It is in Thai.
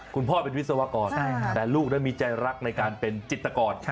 คุณพ่อเป็นวิศวกรแต่ลูกนั้นมีใจรักในการเป็นจิตกร